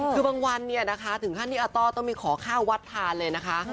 คือบางวันเนี่ยนะคะถึงขั้นที่อาต้อต้องไปขอข้าววัดทานเลยนะคะ